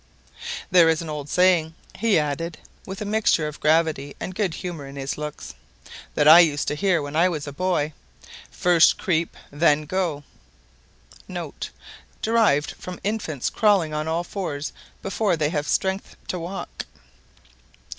"There is an old saying," he added, with a mixture of gravity and good humour in his looks, "that I used to hear when I was a boy, 'first creep* and then go.' [* Derived from infants crawling on all fours before they have strength to walk.